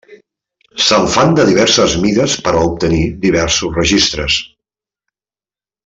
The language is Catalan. Se'n fan de diverses mides per a obtenir diversos registres.